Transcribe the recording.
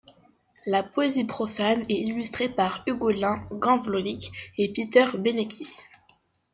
La poésie profane est illustrée par Hugolin Ganvlovic et Peter Benicky.